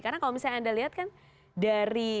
karena kalau misalnya anda lihat kan dari